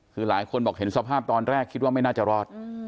คือหลายคนบอกเห็นสภาพตอนแรกคิดว่าไม่น่าจะรอด